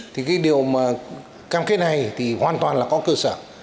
thì cái điều mà cam kết này thì hoàn toàn là có cơ sở